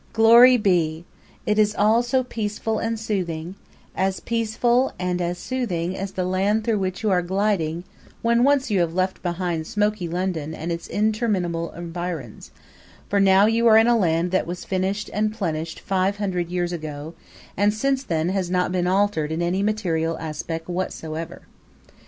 Glory be! It is all so peaceful and soothing; as peaceful and as soothing as the land through which you are gliding when once you have left behind smoky London and its interminable environs; for now you are in a land that was finished and plenished five hundred years ago and since then has not been altered in any material aspect whatsoever.